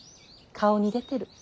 顔に出てる。